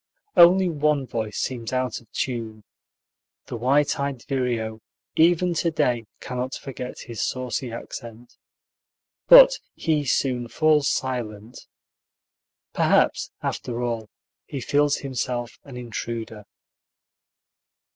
Only one voice seems out of tune: the white eyed vireo, even to day, cannot forget his saucy accent. But he soon falls silent. Perhaps, after all, he feels himself an intruder.